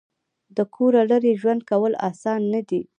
د کوره لرې ژوند کول اسانه نه دي.